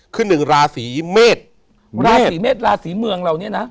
ขึ้นถึงราศีเมฆราศีเมฆราศีเมืองเหล่านี้นะ